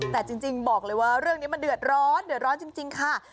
แต่จริงบอกเลยว่าเรื่องนี้มันเดือดร้อนเดือดร้อนจริงค่ะ